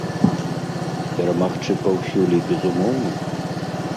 Перамагчы паўсюль і безумоўна?